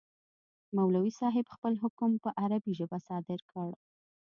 مولوي صاحب خپل حکم په عربي ژبه صادر کړ.